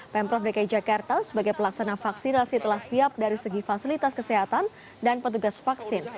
pemprov dki jakarta sebagai pelaksana vaksinasi telah siap dari segi fasilitas kesehatan dan petugas vaksin